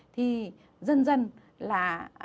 thì dần dần là